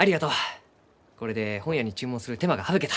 これで本屋に注文する手間が省けた。